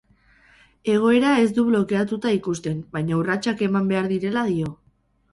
Egoera ez du blokeatuta ikusten, baina urratsak eman behar direla dio.